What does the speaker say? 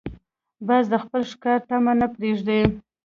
باز د خپل ښکار طمع نه پرېږدي